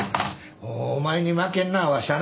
もうお前に負けんなわしはな